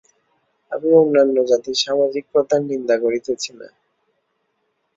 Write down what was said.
আমি অন্যান্য জাতির সামাজিক প্রথার নিন্দা করিতেছি না।